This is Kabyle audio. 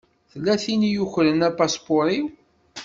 Tella tin i yukren apaspuṛ-iw.